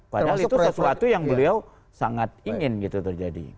padahal itu sesuatu yang beliau sangat ingin gitu terjadi